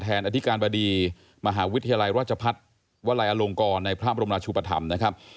อธิการบดีมหาวิทยาลัยราชพัฒน์วลัยอลงกรในพระบรมราชุปธรรมนะครับ